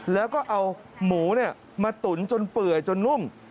แล้วก็เอาหมูมาตุ๋นจนเปื่อยจนนุ่ม